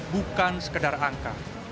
bukan sekedar angka